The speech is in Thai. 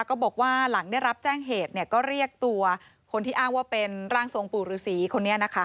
ก็บอกว่าหลังได้รับแจ้งเหตุก็เรียกตัวคนที่อ้างว่าเป็นร่างทรงปู่ฤษีคนนี้นะคะ